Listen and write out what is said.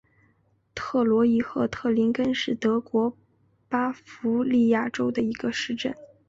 特罗伊赫特林根是德国巴伐利亚州的一个市镇。